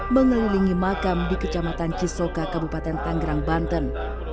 mengelilingi makam di kecamatan cisoka kabupaten tanggerang banten